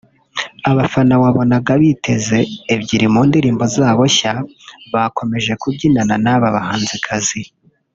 Abafana wabonaga biteze ebyiri mu ndirimbo zabo nshya bakomeje kubyinana naba bahanzikazi